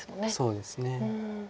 そうですね。